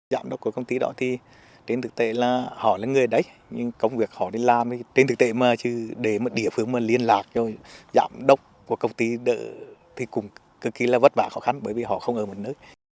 giám đốc của công ty đó thì trên thực tế là họ là người đấy nhưng công việc họ đi làm thì trên thực tế mà chứ để một địa phương mà liên lạc cho giám đốc của công ty đó thì cũng cực kỳ là vất vả khó khăn bởi vì họ không ở một nơi